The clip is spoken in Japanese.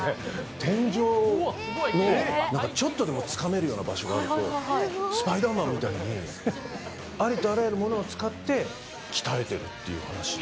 天井のちょっとでもつかめるような場所があると、スパイダーマンみたいに、ありとあらゆるものを使って鍛えてるっていう話で。